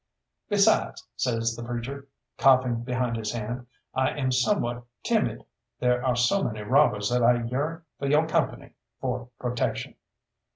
"Besides," says the preacher, coughing behind his hand, "I am somewhat timid there are so many robbers that I yearn for yo' company for protection."